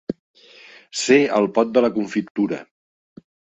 Ser el pot de la confitura.